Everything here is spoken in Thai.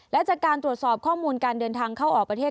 และจากการตรวจสอบข้อมูลการเดินทางเข้าออกประเทศ